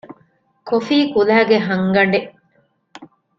ކޮފީކުލައިގެ ހަންގަނޑެއް